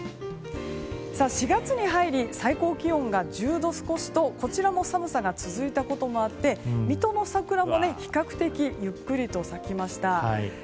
４月に入り最高気温が１０度少しとこちらも寒さが続いたこともあって水戸の桜も比較的ゆっくりと咲きました。